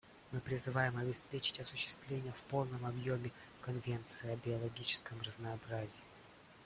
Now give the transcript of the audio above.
Мы призываем обеспечить осуществление в полном объеме Конвенции о биологическом разнообразии.